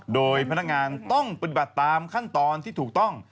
โดยพนักงานต้องปฏิบัติตามขั้นตอนที่ถูกต้อง